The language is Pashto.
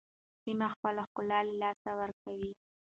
سیمه خپل ښکلا له لاسه ورکوي.